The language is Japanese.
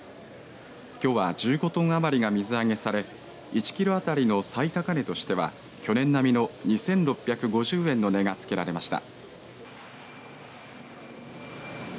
きょうは１５トン余りが水揚げされ１キロあたりの最高値としては去年並みの２６５０円の値がつけられました。